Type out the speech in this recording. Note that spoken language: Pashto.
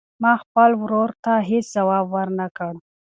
ما خپل ورور ته هېڅ ځواب ورنه کړ.